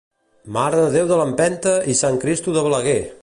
Mare de Déu de l'Empenta i Sant Cristo de Balaguer!